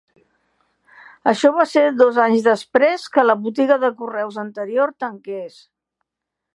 Això va ser dos anys després que la botiga de correus anterior tanqués.